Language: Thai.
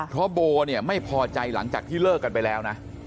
เพราะโบเนี่ยไม่พอใจหลังจากที่เลิกกันไปแล้วนะ